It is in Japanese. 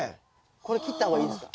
これ切った方がいいですか？